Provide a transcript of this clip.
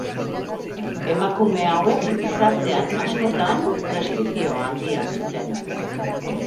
Emakume hauek gizartean askotan prestigio handia zuten.